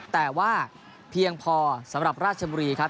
แต่ว่าเพียงพอสำหรับราชบุรีครับ